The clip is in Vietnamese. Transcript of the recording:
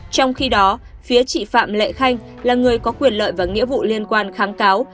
trong khi đó phía chị phạm lệ khanh là người có quyền lợi và nghĩa vụ liên quan kháng cáo